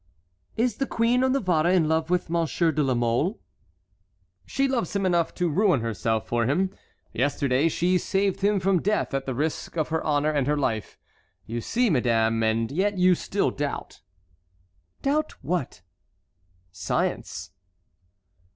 "Is the Queen of Navarre in love with Monsieur de la Mole?" "She loves him enough to ruin herself for him. Yesterday she saved him from death at the risk of her honor and her life. You see, madame, and yet you still doubt." "Doubt what?" "Science."